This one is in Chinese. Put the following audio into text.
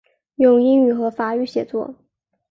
用英语和法语写作。